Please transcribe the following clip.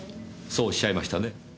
そうおっしゃいましたね？